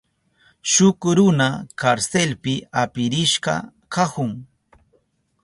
Shuk runa karselpi apirishka kahun.